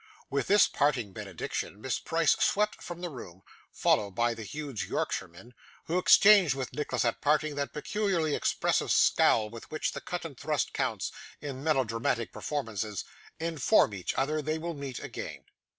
With this parting benediction, Miss Price swept from the room, followed by the huge Yorkshireman, who exchanged with Nicholas, at parting, that peculiarly expressive scowl with which the cut and thrust counts, in melodramatic performances, inform each other they will meet again.